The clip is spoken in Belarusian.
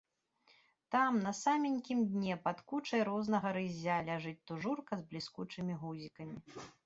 Там, на саменькім дне, пад кучай рознага рыззя, ляжыць тужурка з бліскучымі гузікамі.